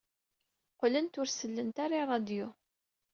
Qqlent ur sellent ara i ṛṛadyu.